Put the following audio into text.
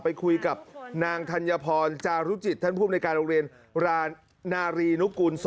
ไปคุยกับนางธัญพรจารุจิตท่านภูมิในการโรงเรียนนารีนุกูล๒